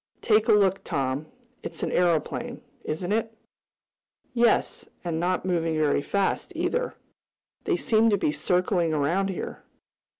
Take a look, Tom. It's an aeroplane; isn't it?" "Yes, and not moving very fast, either. They seem to be circling around here."